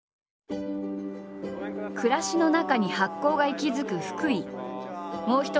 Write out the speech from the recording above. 暮らしの中に発酵が息づく福井。